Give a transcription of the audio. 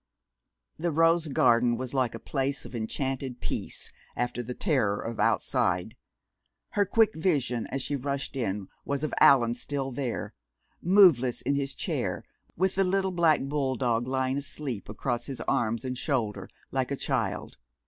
The rose garden was like a place of enchanted peace after the terror of outside. Her quick vision as she rushed in was of Allan still there, moveless in his chair, with the little black bull dog lying asleep across his arms and shoulder like a child.